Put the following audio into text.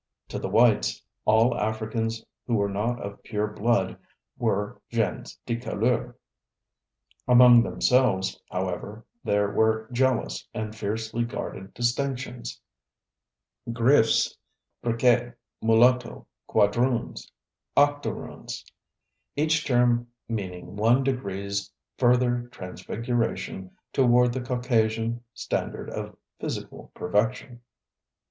To the whites, all Africans who were not of pure blood were gens de couleur. Among themselves, however, there were jealous and fiercely guarded distinctions: "griffes, briqu├®s, mulattoes, quadroons, octoroons, each term meaning one degree's further transfiguration toward the Caucasian standard of physical perfection."